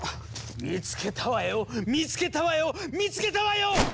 見つけたわよ見つけたわよ見つけたわよ！